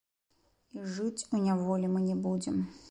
І жыць у няволі мы не будзем!